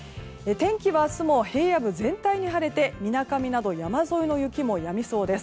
天気は明日も平野部全体で晴れてみなかみなど、山沿いの雪もやみそうです。